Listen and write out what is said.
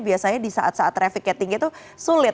biasanya di saat saat trafficnya tinggi itu sulit